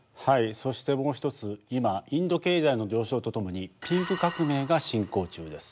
そしてもう一つ今インド経済の上昇とともにピンク革命が進行中です。